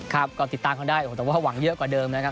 ครับก็ติดตามกันได้แต่ว่าหวังเยอะกว่าเดิมนะครับ